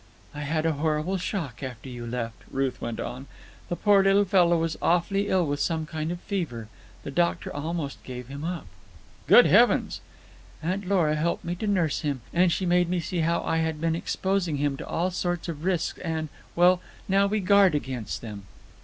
"I had a horrible shock after you left," Ruth went on. "The poor little fellow was awfully ill with some kind of a fever. The doctor almost gave him up." "Good heavens!" "Aunt Lora helped me to nurse him, and she made me see how I had been exposing him to all sorts of risks, and—well, now we guard against them."